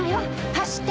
走って！